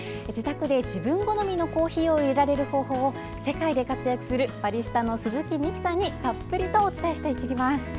自宅で自分好みのコーヒーをいれられる方法を世界で活躍するバリスタの鈴木樹さんにたっぷりと教えていただきます。